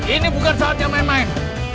ini bukan saatnya main main